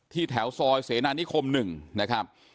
แถวซอยเสนานิคม๑นะครับ